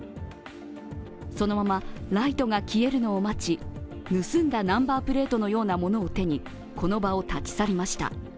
そのままライトが消えるのを待ち盗んだナンバープレートのようなものを手にこの場を立ち去りました。